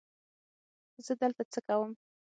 زه دلته څه کوم؟